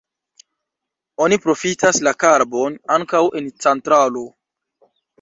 Oni profitas la karbon ankaŭ en centralo.